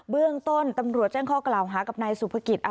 เบื้องต้นตำรวจแจ้งข้อกล่าวหากับนายสุภกิจ